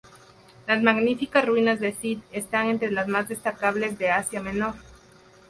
Las magníficas ruinas de Side están entre las más destacables de Asia Menor.